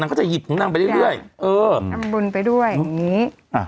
ก็จะหยิบของนางไปเรื่อยเรื่อยเออทำบุญไปด้วยอย่างงี้อ่า